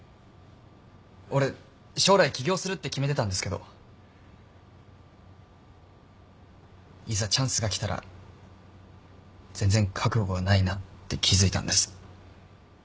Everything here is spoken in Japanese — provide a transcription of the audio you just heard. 俺将来起業するって決めてたんですけどいざチャンスが来たら全然覚悟がないなって気付いたんです。